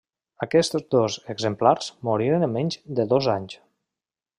Aquests dos exemplars moriren en menys de dos anys.